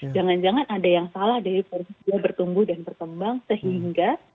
jangan jangan ada yang salah dari prosesnya bertumbuh dan berkembang sehingga